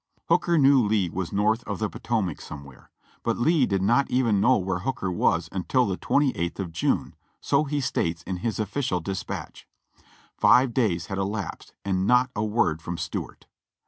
Hooker knew Lee was north of the Potomac somewhere ; but Lee did not even know where Hooker was until the 28th of June, so he states in his official dispatch. Five days had elapsed and not a word from Stuart